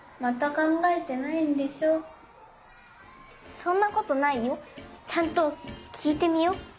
そんなことないよちゃんときいてみよ。